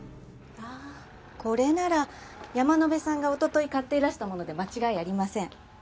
ああこれなら山野辺さんが一昨日買っていらしたもので間違いありません。